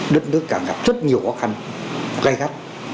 đất nước càng gặp rất nhiều khó khăn gây gắt